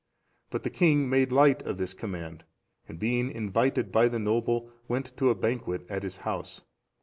But the king made light of this command, and being invited by the noble, went to a banquet at his house.